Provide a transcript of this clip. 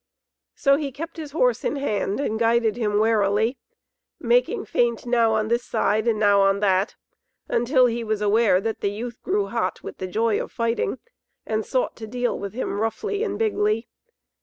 So he kept his horse in hand and guided him warily, making feint now on this side and now on that, until he was aware that the youth grew hot with the joy of fighting and sought to deal with him roughly and bigly.